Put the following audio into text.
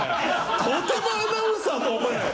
とてもアナウンサーとは思えない。